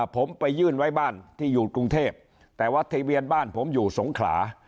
ผมไปยื่นไว้บ้านที่อยู่กรุงเทพแต่วัดทะเวียนบ้านผมอยู่สงขลา